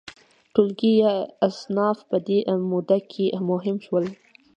ټولګي یا اصناف په دې موده کې مهم شول.